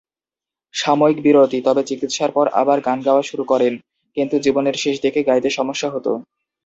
সাময়িক বিরতি, তবে চিকিৎসার পর আবার গান গাওয়া শুরু করেন, কিন্তু জীবনের শেষদিকে গাইতে সমস্যা হত।